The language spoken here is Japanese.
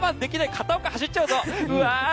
片岡、走っちゃうぞ。